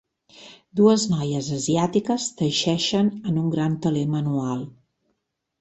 Dues noies asiàtiques teixeixen en un gran teler manual.